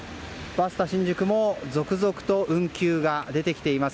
バスタ新宿も続々と運休が出てきています。